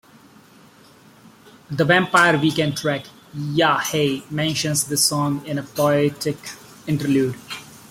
The Vampire Weekend track "Ya Hey" mentions this song in a poetic interlude.